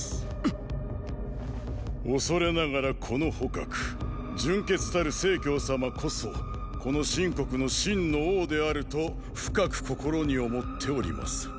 っ⁉恐れながらこの蒲純血たる成様こそこの秦国の真の王であると深く心に思っておりまする。